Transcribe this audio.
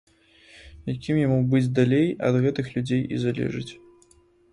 Якім яму быць далей, ад гэтых людзей і залежыць.